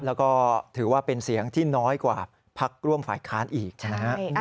แล้วก็ถือว่าเป็นเสียงที่น้อยกว่าพักร่วมฝ่ายค้านอีกนะฮะ